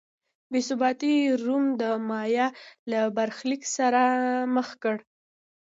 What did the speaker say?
بې ثباتۍ روم د مایا له برخلیک سره مخ کړ.